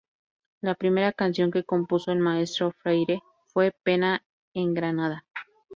La primera canción que compuso el maestro Freire fue "Pena en Granada".